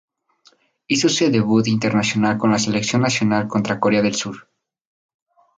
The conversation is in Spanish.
Hizo su debut internacional con la selección nacional contra Corea del Sur.